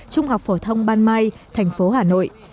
trung học phổ thông ban mai thành phố hà nội